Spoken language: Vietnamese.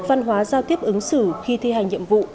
văn hóa giao tiếp ứng xử khi thi hành nhiệm vụ